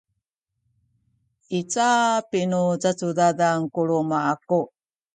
i capi nu cacudadan ku luma’ aku